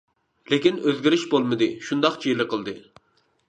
لېكىن ئۆزگىرىش بولمىدى شۇنداق جىلە قىلدى.